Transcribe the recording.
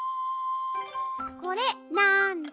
これなんだ？